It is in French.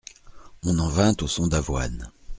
On en vint au son d'avoine.